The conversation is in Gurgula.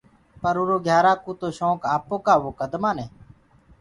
پر اُرو گھيارآ ڪوُ تو شونڪ آپوڪآ وو ڪد مآني۔